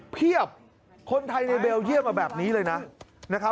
เพียบคนไทยในเบลเยี่ยมมาแบบนี้เลยนะครับ